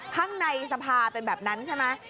ข้างในสภาเป็นแบบนั้นใช่ไหม